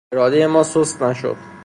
ارادهُ ما سست نشد.